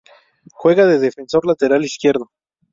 Juega de defensor lateral izquierdo.